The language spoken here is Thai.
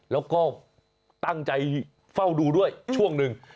แล้วก็ตั้งใจเฝ้าดูด้วยช่วงหนึ่ง